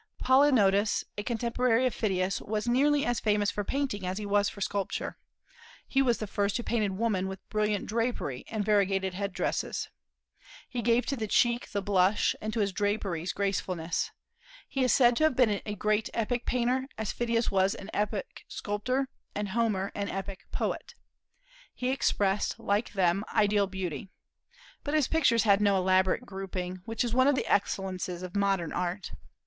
Polygnotus, a contemporary of Phidias, was nearly as famous for painting as he was for sculpture. He was the first who painted woman with brilliant drapery and variegated head dresses. He gave to the cheek the blush and to his draperies gracefulness. He is said to have been a great epic painter, as Phidias was an epic sculptor and Homer an epic poet. He expressed, like them, ideal beauty. But his pictures had no elaborate grouping, which is one of the excellences of modern art.